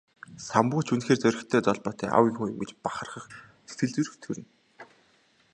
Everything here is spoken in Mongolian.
Самбуу ч үнэхээр зоригтой, золбоотой аавын хүү юм гэж бахархах сэтгэл эрхгүй төрнө.